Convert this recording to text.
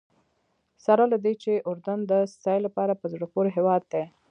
سره له دې چې اردن د سیل لپاره په زړه پورې هېواد دی.